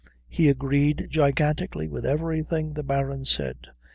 He agreed gigantically with everything the Baron said.